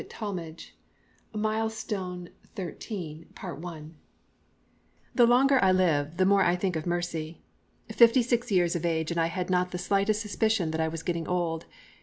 THE THIRTEENTH MILESTONE 1888 1889 The longer I live the more I think of mercy. Fifty six years of age and I had not the slightest suspicion that I was getting old.